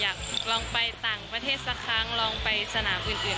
อยากลองไปต่างประเทศสักครั้งลองไปสนามอื่น